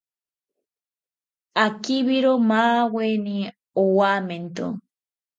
Akibiro maweni owamento